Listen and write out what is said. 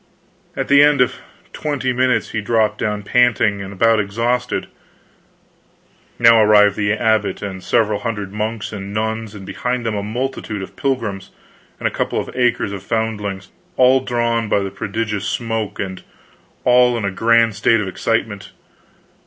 At the end of twenty minutes he dropped down panting, and about exhausted. Now arrived the abbot and several hundred monks and nuns, and behind them a multitude of pilgrims and a couple of acres of foundlings, all drawn by the prodigious smoke, and all in a grand state of excitement.